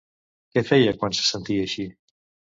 Què feia quan se sentia així?